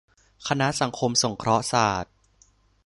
คณะสังคมสงเคราะห์ศาสตร์